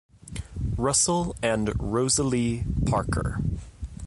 Russell and Rosalie Parker.